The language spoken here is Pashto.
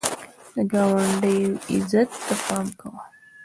د ګاونډي عزت ته پام کوه